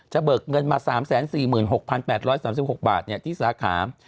เบิกเงินมา๓๔๖๘๓๖บาทที่สาขา